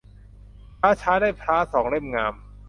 ช้าช้าได้พร้าสองเล่มงาม